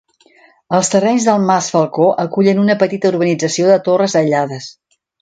Els terrenys del Mas Falcó acullen una petita urbanització de torres aïllades.